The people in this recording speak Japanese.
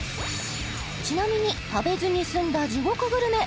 ちなみに食べずに済んだ地獄グルメ